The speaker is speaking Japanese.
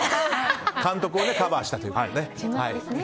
監督をカバーしたという。